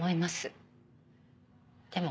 でも